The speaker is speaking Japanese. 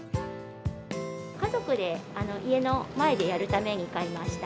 家族で家の前でやるために買いました。